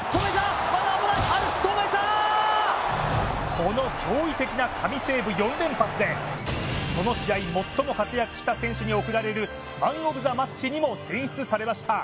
この驚異的な神セーブ４連発でこの試合最も活躍した選手に送られるマン・オブ・ザ・マッチに選ばれました。